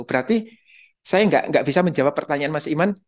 berarti saya nggak bisa menjawab pertanyaan mas iman